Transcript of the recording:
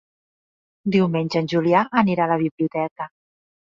Diumenge en Julià anirà a la biblioteca.